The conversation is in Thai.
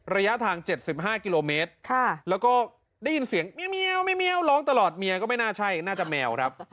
แล้วก็ได้ยินเสียงเมี๊ยวร้องตลอดเมียก็ไม่น่าใช่น่าจะแมวครับ